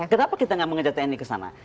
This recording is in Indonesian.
kenapa kita nggak mengejar tni ke sana